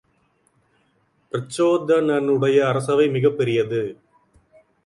பிரச்சோதனனுடைய அரசவை மிகப்பெரியது.